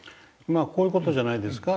まあこういう事じゃないですか。